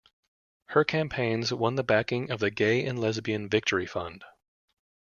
Her campaigns won the backing of the Gay and Lesbian Victory Fund.